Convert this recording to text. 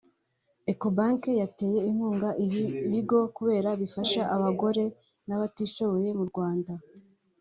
Ecobank yateye inkunga ibi bigo kubera bifasha abagore n’abatishoboye mu Rwanda